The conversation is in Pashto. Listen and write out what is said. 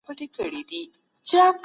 سردرد د فشار سره زیاتېدلی شي.